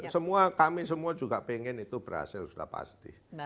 semua kami semua juga pengen itu berhasil sudah pasti